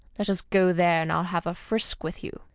Let us go there, and TU have a frisk with you.'"